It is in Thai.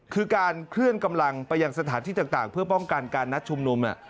คือการเคลื่อนกำลังไปยังสถานที่ต่างเพื่อป้องกันการนัดชุมนุม